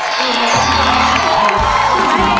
ใจเย็นมาครับ